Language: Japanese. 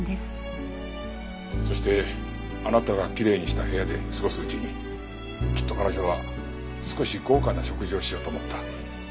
そしてあなたがきれいにした部屋で過ごすうちにきっと彼女は少し豪華な食事をしようと思った。